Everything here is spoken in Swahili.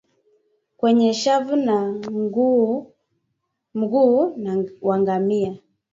kwenye shavu la mguu wa ngamia